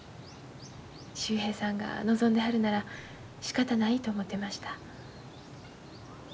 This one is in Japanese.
秀平さんが望んではるならしかたないと思てました。